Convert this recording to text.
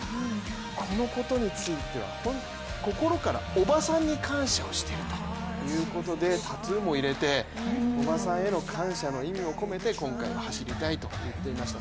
このことについては心からおばさんに感謝をしているということでタトゥーも入れておばさんへの感謝の意味も込めて今回は走りたいと言っていました。